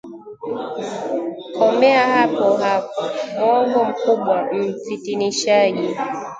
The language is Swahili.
Komea hapo hapo, mwongo mkubwa, mfitinishaji